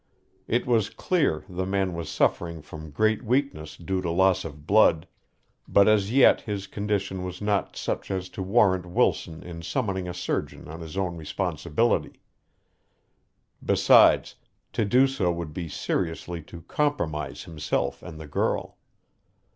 It was clear the man was suffering from great weakness due to loss of blood, but as yet his condition was not such as to warrant Wilson in summoning a surgeon on his own responsibility. Besides, to do so would be seriously to compromise himself and the girl.